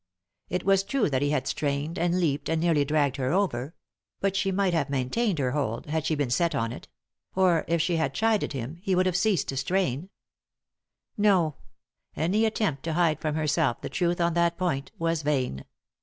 It was true that he had strained, and leaped, and nearly dragged her over ; but she might have maintained her hold, had she been set 187 3i 9 iii^d by Google THE INTERRUPTED KISS on it ; or, if she had chided him, he would have ceased to strain. No ; any attempt to hide from herself the truth on that point was vain.